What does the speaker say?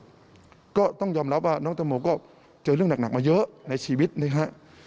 น้ำตาทุกหยดก็ต้องยอมรับว่าน้องตะโมก็เจอเรื่องหนักมาเยอะในชีวิตนะครับ